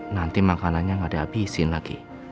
nanti makanannya gak ada abisin lagi